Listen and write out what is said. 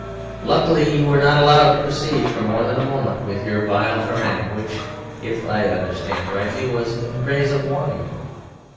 Luckily you were not allowed to proceed for more than a moment with your vile harangue which (if I understand rightly) was in praise of wine.